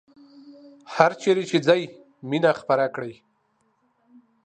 هرچیرې چې ځئ مینه خپره کړئ